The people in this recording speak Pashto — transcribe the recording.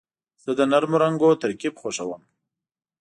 زه د نرمو رنګونو ترکیب خوښوم.